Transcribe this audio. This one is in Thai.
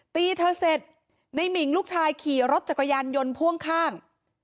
ตีเธอเสร็จในหมิ่งลูกชายขี่รถจักรยานยนต์พ่วงข้าง